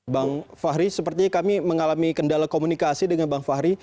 bang fahri sepertinya kami mengalami kendala komunikasi dengan bang fahri